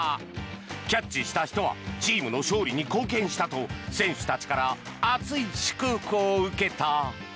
キャッチした人はチームの勝利に貢献したと選手たちから熱い祝福を受けた。